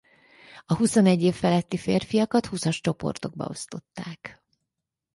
A huszonegy év feletti férfiakat húszas csoportokba osztották.